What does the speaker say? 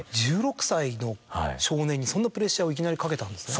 １６歳の少年にそんなプレッシャーをいきなりかけたんですね。